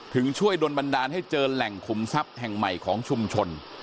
ช่วยโดนบันดาลให้เจอแหล่งขุมทรัพย์แห่งใหม่ของชุมชน